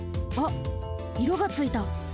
あっいろがついた。